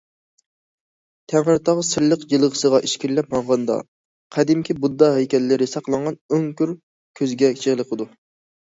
تەڭرىتاغ سىرلىق جىلغىسىغا ئىچكىرىلەپ ماڭغاندا، قەدىمكى بۇددا ھەيكەللىرى ساقلانغان ئۆڭكۈر كۆزگە چېلىقىدۇ.